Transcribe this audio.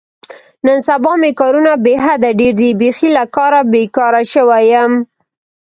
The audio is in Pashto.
نن سبا مې کارونه بې حده ډېر دي، بیخي له کاره بېگاره شوی یم.